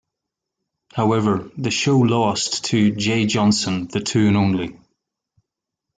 However, the show lost to "Jay Johnson: The Two and Only".